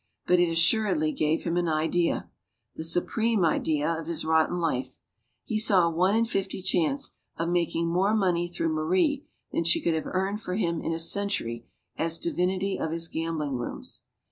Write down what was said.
But it assuredly gave him an idea; the supreme idea of his rotten life. He saw a one in fifty chance of making more money through Marie than she could have earned for him in a century as divinity of his gambling rooms.